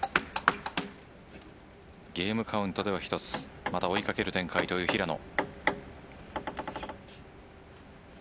ゲームカウントでは１つまだ追い掛ける展開の平野。